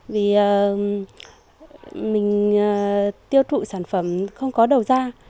vì mình tiêu thụ sản phẩm không có đầu ra